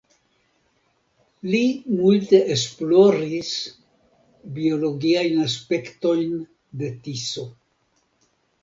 Li multe esploris biologiajn aspektojn de Tiso.